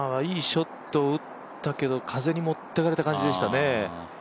いいショットを打ったけど風に持ってかれた感じでしたかね。